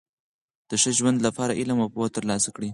د ښه ژوند له پاره علم او پوهه ترلاسه کړئ!